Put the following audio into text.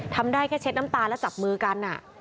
ทำได้แค่เช็ดน้ำตาแล้วจับมือกัน